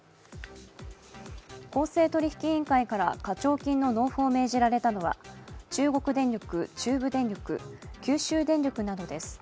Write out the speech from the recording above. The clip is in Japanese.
公正取引委員会から課徴金の納付を命じられたのは中国電力、中部電力、九州電力などです。